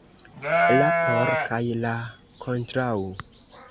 La "por" kaj la "kontraŭ".